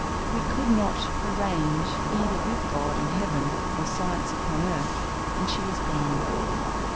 We could not 'arrange' either with God in heaven or science upon earth, and she is gone."